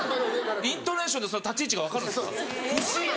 イントネーションで立ち位置が分かるんですか不思議！